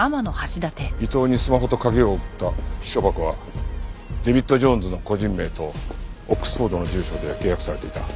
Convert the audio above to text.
伊藤にスマホと鍵を送った私書箱は「デビッド・ジョーンズ」の個人名とオックスフォードの住所で契約されていた。